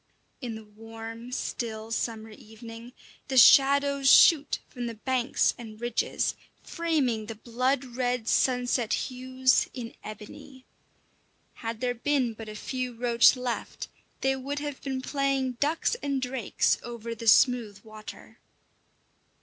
In the warm, still, summer evening, the shadows shoot from the banks and ridges, framing the blood red sunset hues in ebony. Had there been but a few roach left, they would have been playing ducks and drakes over the smooth water.